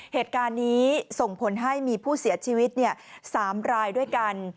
เหตุการณ์นี้ส่งผลให้มีผู้เสียชีวิต๓รายด้วยกัน